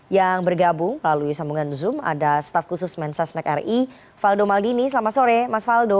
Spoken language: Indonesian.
yang bergabung lalu sambungan zoom ada staff khusus mensa snack ri faldo maldini selamat sore mas faldo